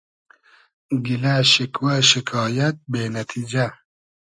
گیلۂ شیکوۂ شیکایئد بې نئتیجۂ